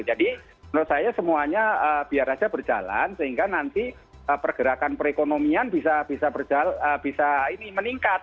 jadi menurut saya semuanya biar saja berjalan sehingga nanti pergerakan perekonomian bisa meningkat